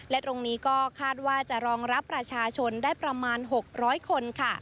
และตรงนี้ก็คาดว่าจะรองรับประชาชนได้ประมาณ๖๐๐คน